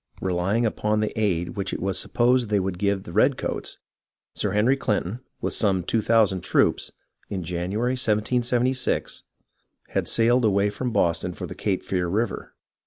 Relying upon the aid which it was supposed they would give the redcoats. Sir Henry Clinton, with some two thousand troops, in January, 1776, 96 MOORE'S CREEK AND SULLIVAN'S ISLAND 97 had sailed away from Boston for the Cape Fear River.